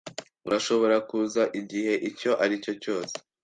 Urashobora kuza igihe icyo aricyo cyose.